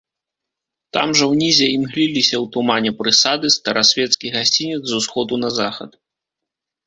Там жа ўнізе імгліліся ў тумане прысады, старасвецкі гасцінец з усходу на захад.